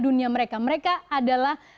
dunia mereka mereka adalah